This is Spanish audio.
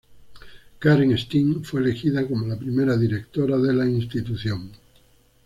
Karen Steen fue elegida como la primera directora de la institución.